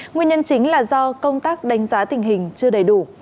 nguyên nhân chính là do công tác đánh giá tình hình chưa đầy đủ